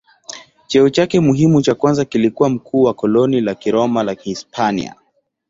Cheo chake muhimu cha kwanza kilikuwa mkuu wa koloni la Kiroma la Hispania.